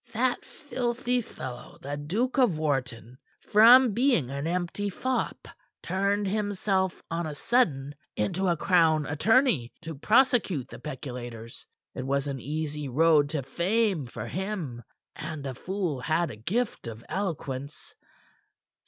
That filthy fellow, the Duke of Wharton, from being an empty fop turned himself on a sudden into a Crown attorney to prosecute the peculators. It was an easy road to fame for him, and the fool had a gift of eloquence.